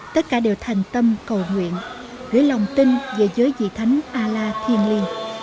tất cả đều thành tâm cầu nguyện gửi lòng tin về giới dị thánh allah thiên liêng